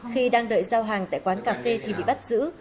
khi đang đợi giao hàng tại quán cà phê thì bị bắt giữ